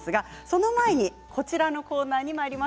その前にこちらのコーナーです。